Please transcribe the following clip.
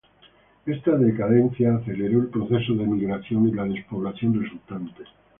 Esta decadencia aceleró el proceso de emigración y la despoblación resultante.